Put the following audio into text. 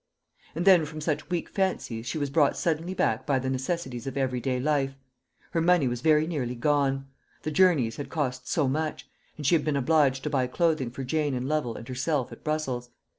And then from such weak fancies she was brought suddenly back by the necessities of every day life Her money was very nearly gone; the journeys had cost so much, and she had been obliged to buy clothing for Jane and Lovel and herself at Brussels.